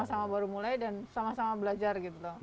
sama sama baru mulai dan sama sama belajar gitu loh